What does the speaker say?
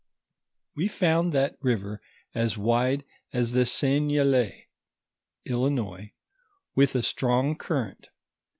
We found that river as wide as the Seignelay (Il linois), with a strong current.